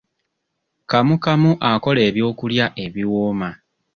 Kamukamu akola ebyokulya ebiwooma.